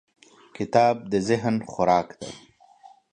کتاب د ذهن خوراک دی.